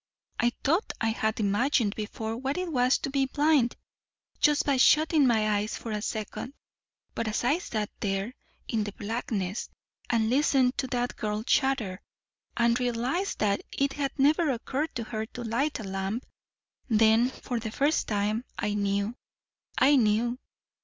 I thought I had imagined before what it was to be blind just by shutting my eyes for a second. But as I sat there in the blackness, and listened to that girl chatter, and realized that it had never occurred to her to light a lamp then for the first time I knew I knew."